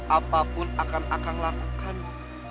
apapun akan akan lakukan buat kamu